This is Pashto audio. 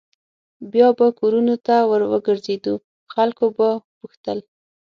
بیا به کورونو ته ور وګرځېدو خلکو به پوښتل.